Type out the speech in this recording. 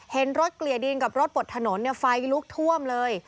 เห็นรถเกลี่ยดินกับรถบดถนนไฟลุกท่วมเลย